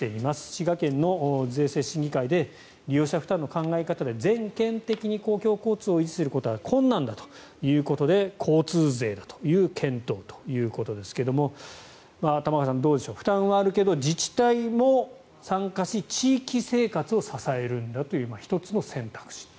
滋賀県の税制審議会で利用者負担の考え方で全県的に公共交通を維持することは困難だということで交通税だという検討ということですが玉川さん、負担はあるけど自治体も参加し地域生活を支えるんだという１つの選択肢。